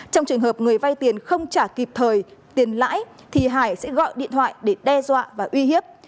trong trường hợp người vay tiền không trả kịp thời tiền lãi thì hải sẽ gọi điện thoại để đe dọa và uy hiếp